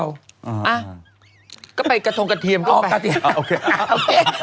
อ่าก็ไปกระทงกระเทียมด้วยไปอ๋อกระเทียมอ่าโอเค